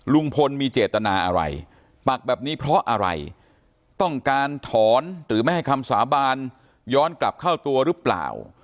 ลุงพลมีเจตนาอะไรปักแบบนี้เพราะอะไรต้องการถอนหรือไม่ให้คำสาบานย้อนกลับเข้าตัวหรือเปล่า